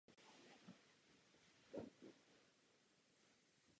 Vítěz druhé fáze postoupil do mezikontinentální baráže proti týmu z Evropy.